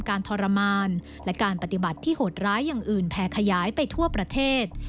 ทรมานและการปฏิบัติที่โหดร้ายอย่างอื่นแผ่ขยายไปทั่วประเทศ